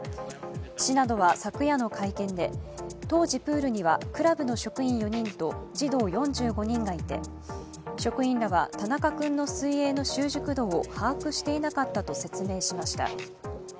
市などは昨夜の会見で当時、プールにはクラブの職員４人と児童４５人がいて職員らは田中君の水泳の習熟度を把握していなかったと説明しました。